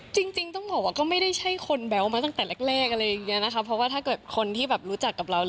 จริงต้องบอกว่าก็ไม่ได้ใช่คนแบ๊วมาตั้งแต่แรกอะไรอย่างนี้นะคะเพราะว่าถ้าเกิดคนที่แบบรู้จักกับเรา